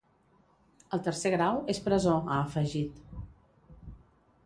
El tercer grau és presó, ha afegit.